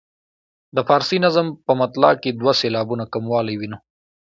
د فارسي نظم په مطلع کې دوه سېلابونه کموالی وینو.